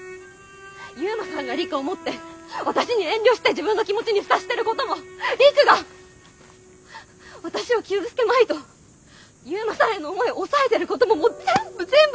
悠磨さんが陸を思って私に遠慮して自分の気持ちに蓋してることも陸が私を傷つけまいと悠磨さんへの思い抑えてることももう全部全部しんどいです！